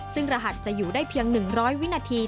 ซึ่งรหัสจะอยู่ได้เพียง๑๐๐วินาที